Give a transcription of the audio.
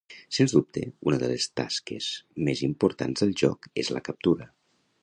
Sens dubte, una de les tasques més importants del joc és la captura.